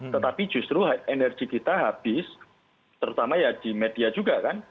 tetapi justru energi kita habis terutama ya di media juga kan